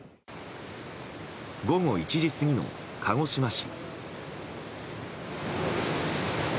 午後１時過ぎの鹿児島市。